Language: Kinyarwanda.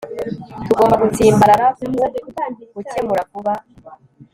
Tugomba gutsimbarara ku gukemura vuba